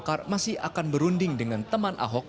golkar masih akan berunding dengan teman ahok